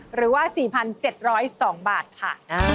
หรือว่า๔๗๐๒บาทค่ะ